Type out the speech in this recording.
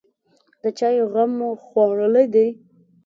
_د چايو غم مو خوړلی دی؟